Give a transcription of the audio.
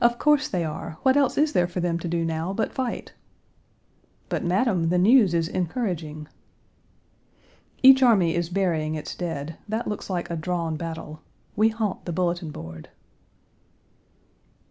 "Of course they are. What else is there for them to do now but fight?" "But, madam, the news is encouraging." Each army is burying its dead: that looks like a drawn battle. We haunt the bulletin board.